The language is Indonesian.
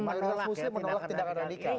mayoritas muslim menolak tindakan radikal